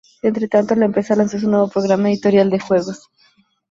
Entretanto, la empresa lanzó su nuevo programa editorial de juegos.